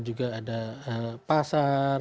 juga ada pasar